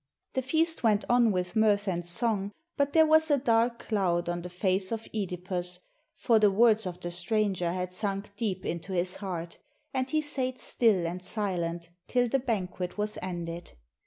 The feast went on with mirth and song ; but there was a dark cloud on the face of (Edipus, for the words of the stranger had sunk deep into his heart, and he sate still and silent till the banquet was ended.